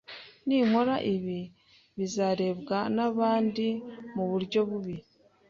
Ninkora ibi, bizarebwa nabandi muburyo bubi?